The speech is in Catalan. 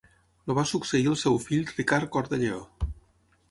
El va succeir el seu fill Ricard Cor de Lleó.